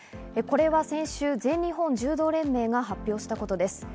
これは先週、全日本柔道連盟が発表したことです。